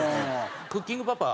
『クッキングパパ』